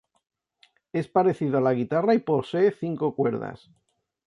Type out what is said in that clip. Es parecido a la guitarra y posee cinco cuerdas.